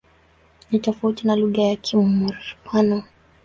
Ni tofauti na lugha ya Kimur-Pano.